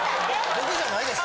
僕じゃないです。